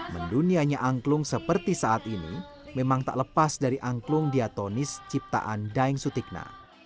mendunianya angklung seperti saat ini memang tak lepas dari angklung diatonis ciptaan daeng sutikna